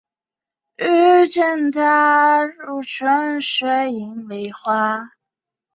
这是村上春树的第九部长篇小说。